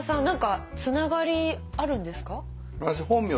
何かつながりあるんですか？